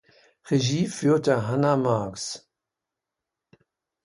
Regie führte Hannah Marks.